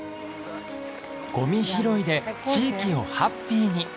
ゴミ拾いで地域をハッピーに。